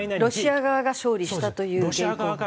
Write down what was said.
ロシア側が勝利したという原稿？